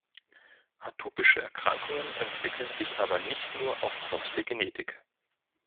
Atopische Erkrankungen entwickeln sich aber nicht nur aufgrund der Genetik.